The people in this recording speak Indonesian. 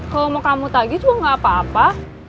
kalau mau kamu tagih juga enggak apa apa